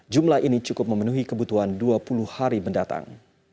jumlah ini cukup memenuhi kebutuhan dua puluh hari mendatang